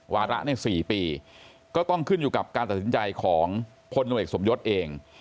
วาระใน๔ปีก็ต้องขึ้นอยู่กับการตัดสินใจของพลโนเอกสมยศเอง